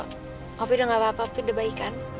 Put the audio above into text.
tapi udah gak apa apa tapi udah baik kan